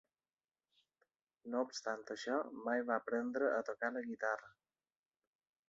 No obstant això, mai va aprendre a tocar la guitarra.